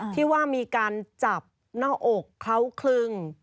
ที่ว่ามีการจับหน้าอกเขาคลึง